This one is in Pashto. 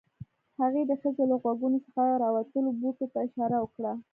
هغې د ښځې له غوږونو څخه راوتلو بوټو ته اشاره وکړه